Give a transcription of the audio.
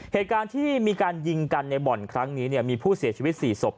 เหตุการณ์ที่มีการยิงกันในบ่อนครั้งนี้มีผู้เสียชีวิต๔ศพ